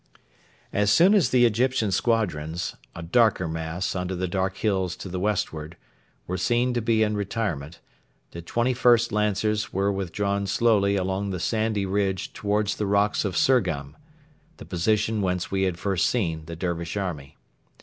As soon as the Egyptian squadrons a darker mass under the dark hills to the westward were seen to be in retirement, the 21st Lancers were withdrawn slowly along the sandy ridge towards the rocks of Surgham the position whence we had first seen the Dervish army.